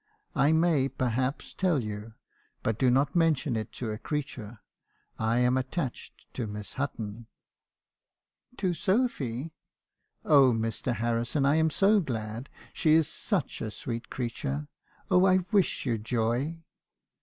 'I may, perhaps, tell you — but do not mention it to a creature — I am attached to Miss Hutton.' " 'To Sophy! Oh, Mr. Harrison, I am so glad; she is such a sweet creature. Oh , I wish you joy